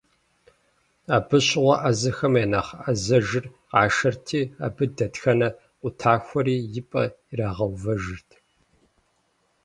Абы щыгъуэ ӏэзэхэм я нэхъ ӏэзэжыр къашэрти, абы дэтхэнэ къутахуэри и пӏэ иригъэувэжырт.